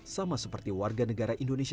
sama seperti warga negara indonesia